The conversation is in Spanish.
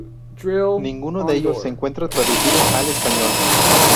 Ninguno de ellos se encuentra traducido al español.